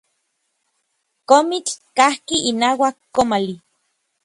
Komitl kajki inauak komali.